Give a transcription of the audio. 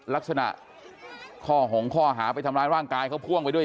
ลักษณะข้อหงข้อหาไปทำร้ายร่างกายเขาพ่วงไปด้วย